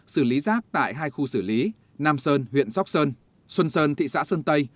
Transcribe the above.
xử lý rác tại hai khu xử lý nam sơn huyện sóc sơn xuân sơn thị xã sơn tây